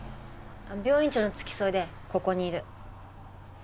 病院長の付き添いでここにいる。